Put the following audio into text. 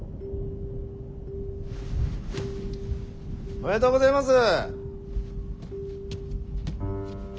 おめでとうごぜます。